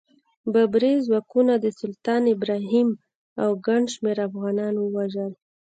بابري ځواکونو د سلطان ابراهیم او ګڼ شمېر افغانان ووژل.